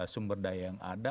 sumber daya yang ada